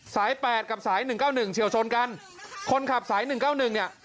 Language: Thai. แปดกับสายหนึ่งเก้าหนึ่งเฉียวชนกันคนขับสายหนึ่งเก้าหนึ่งเนี่ย